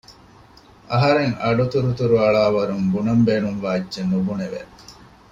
އަހަރެން އަޑު ތުރުތުރު އަޅާވަރުން ބުނަން ބޭނުންވާ އެއްޗެއް ނުބުނެވެ